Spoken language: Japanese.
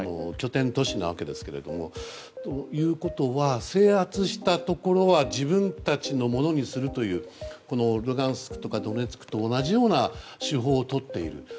拠点都市なわけですけれどもということは制圧したところは自分たちのものにするというルガンスクとかドネツクと同じような手法をとっている。